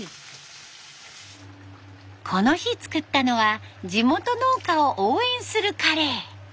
この日作ったのは地元農家を応援するカレー。